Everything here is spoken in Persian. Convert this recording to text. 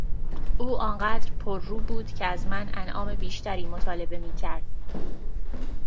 او آن قدر پررو بود که از من انعام بیشتری مطالبه میکرد!